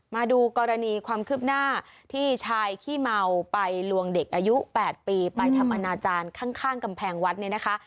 มาดูกรณีความคืบหน้าที่ชายขี้เมาไปลวงเด็กอายุ๘ปีไปทำอนาจารย์ข้างกำแพงวัดเนี่ยนะคะ